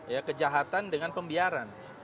ya kejahatan dengan pembiaran